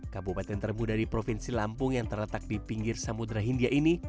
kabupaten termuda di provinsi lampung yang terletak di pinggir samudera hindia ini